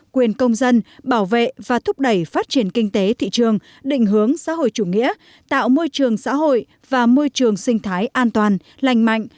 quyền công gia